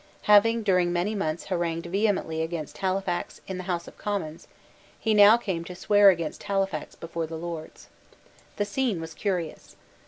Having during many months harangued vehemently against Halifax in the House of Commons, he now came to swear against Halifax before the Lords. The scene was curious.